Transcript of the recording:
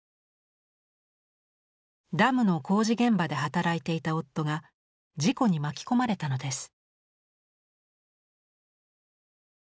ダムの工事現場で働いていた夫が事故に巻き込まれたのです。